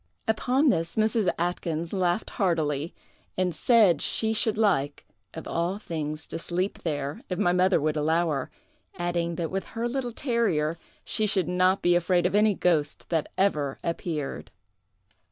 Upon this Mrs. Atkyns laughed heartily, and said she should like, of all things, to sleep there, if my mother would allow her, adding, that with her little terrier she should not be afraid of any ghost that ever appeared.